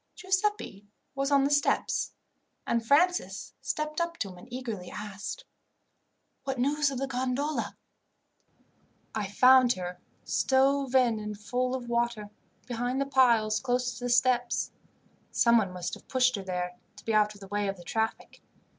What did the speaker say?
Giuseppi was on the steps, and Francis stepped up to him and eagerly asked, "What news of the gondola?" "I found her, stove in and full of water, behind the piles close to the steps. Someone must have pushed her there, to be out of the way of the traffic.